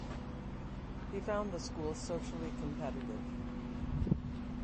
He found the school socially competitive.